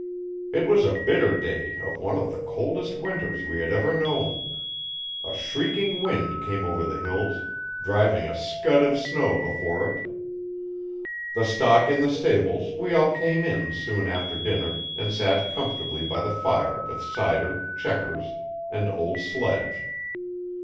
It was a bitter day of one of the coldest winters we had ever known. A shrieking wind came over the hills, driving a scud of snow before it The stock in the stables, we all came in, soon after dinner, and sat comfortably by the fire with cider, checkers and old sledge.